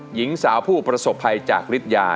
หญิงสาวผู้ประสบภัยจากฤทยา